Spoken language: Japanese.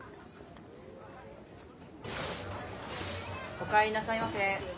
お帰りなさいませ。